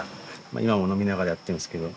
今も飲みながらやってるんですけど。